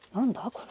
これ。